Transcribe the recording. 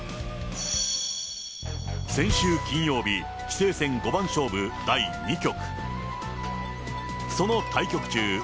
先週金曜日、棋聖戦五番勝負第２局。